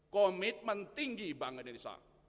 komitmen tinggi bangsa indonesia